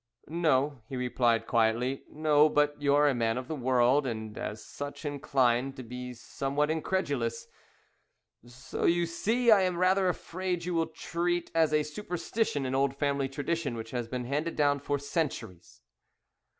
"No," he replied, quietly; "no, but you are a man of the world, and as such inclined to be somewhat incredulous. So, you see, I am rather afraid you will treat as a superstition an old family tradition which has been handed down for centuries."